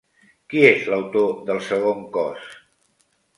Qui és l'autor del segon cos?